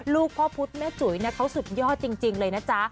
ลูกพ่อพุทธแม่จุ๋ยเขาสุดยอดจริงเลยนะจ๊ะ